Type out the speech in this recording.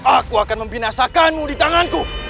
aku akan membinasakanmu di tanganku